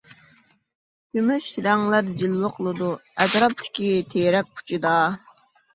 كۈمۈش رەڭلەر جىلۋە قىلىدۇ، ئەتراپتىكى تېرەك ئۇچىدا.